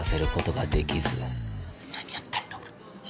何やってんだ俺！